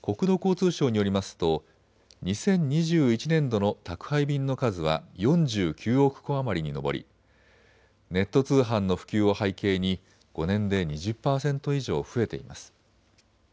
国土交通省によりますと２０２１年度の宅配便の数は４９億個余りに上りネット通販の普及を背景に５年で２０％以上増えています。